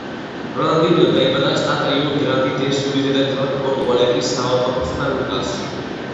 რონალდინიო დაიბადა შტატ რიუ-გრანდი-დუ-სულის დედაქალაქ პორტუ-ალეგრის საავადმყოფო „სან-ლუკასში“.